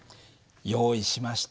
用意しました。